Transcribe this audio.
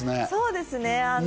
そうですね。